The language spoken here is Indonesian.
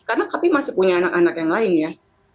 karena kami masih punya anak anak yang lain ya